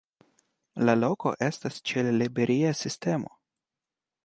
La loko estas ĉe la Iberia Sistemo.